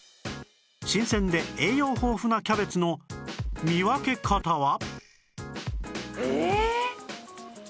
新鮮で栄養豊富なキャベツの見分け方は？